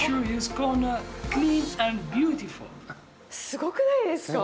すごくないですか？